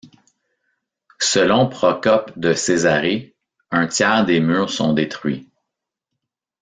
Selon Procope de Césarée, un tiers des murs sont détruits.